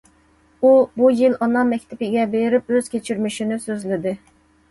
ئۇ بۇ يىل ئانا مەكتىپىگە بېرىپ ئۆز كەچۈرمىشىنى سۆزلىدى.